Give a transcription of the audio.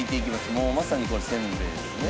もうまさにこれせんべいですね。